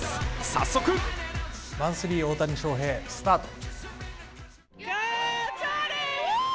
早速「マンスリー大谷翔平」スタート。